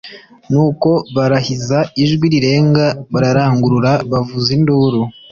nuko barahiza ijwi rirenga bararangurura bavuza induru